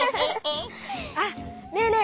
あっねえね